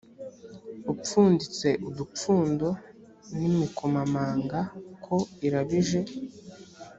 upfunditse udupfundo n imikomamanga ko irabije